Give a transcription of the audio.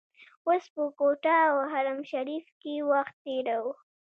اوس په کوټه او حرم شریف کې وخت تیروو.